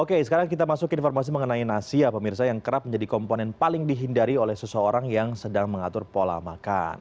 oke sekarang kita masuk ke informasi mengenai nasi ya pemirsa yang kerap menjadi komponen paling dihindari oleh seseorang yang sedang mengatur pola makan